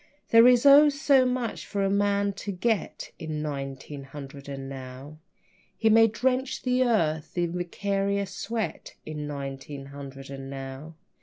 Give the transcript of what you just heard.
There is oh, so much for a man to get In nineteen hundred and now. He may drench the earth in vicarious sweat In nineteen hundred and now.